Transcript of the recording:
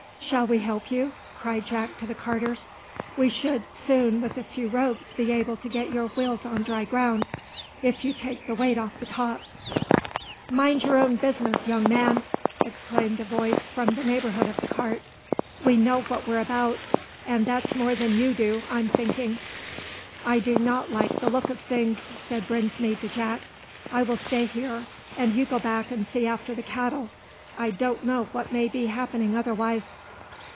"Shall we help you?" cried Jack to the carters. "We should soon with a few ropes be able to get your wheels on dry ground, if you take the weight off the top." "Mind your own business, young man!" exclaimed a voice from the neighbourhood of the cart. "We know what we're about, and that's more than you do, I'm thinking." "I do not like the look of things," said Brinsmead to Jack. "I will stay here, and you go back and see after the cattle; I don't know what may be happening otherwise."